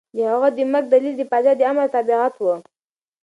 د هغه د مرګ دلیل د پاچا د امر تابعیت و.